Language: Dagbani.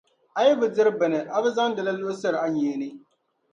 A yi bi diri bini a bi zaŋdi li luɣisiri a nyee ni.